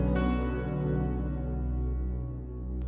keduanya mencari jahat